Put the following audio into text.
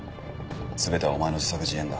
全てはお前の自作自演だ。